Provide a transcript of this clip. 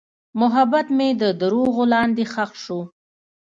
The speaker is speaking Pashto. محبت مې د دروغو لاندې ښخ شو.